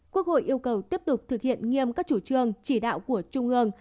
quốc hội yêu cầu tiếp tục thực hiện nghiêm các chủ trương chỉ đạo của trung ương